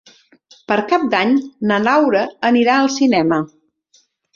Per Cap d'Any na Laura anirà al cinema.